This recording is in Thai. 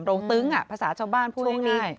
โรงตึ้งอ่ะภาษาชาวบ้านพูดง่าย